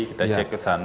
kita cek ke sana